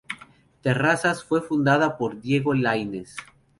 Terrazas fue fundada por Diego Laínez.